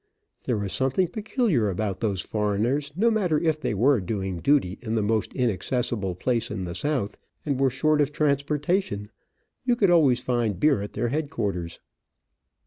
There was something peculiar about those foreigners, no matter if they were doing duty in the most inaccessible place in the south, and were short of transportation, you could always find beer at their headquarters.